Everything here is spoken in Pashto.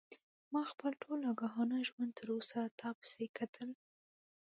ما خپل ټول آګاهانه ژوند تر اوسه تا پسې کتل.